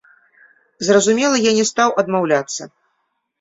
Зразумела, я не стаў адмаўляцца.